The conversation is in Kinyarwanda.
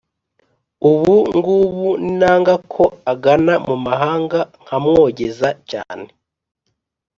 Ubu ngubu ninangaKo agana mu mahangaNkamwogeza cyane